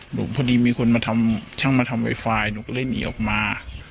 พอดีมีคนมาทำช่างมาทำไวไฟหนูก็เลยหนีออกมา